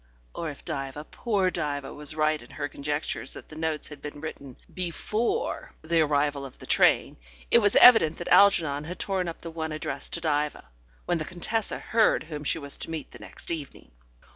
." or if Diva poor Diva was right in her conjectures that the notes had been written before the arrival of the train, it was evident that Algernon had torn up the one addressed to Diva, when the Contessa heard whom she was to meet the next evening.